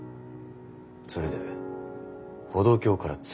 それで歩道橋から突き落とした。